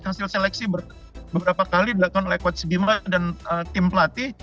hasil seleksi beberapa kali di belakang lekwadzimah dan tim pelatih